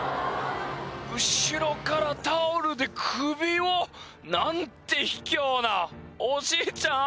後ろからタオルで首を何て卑怯なおじいちゃん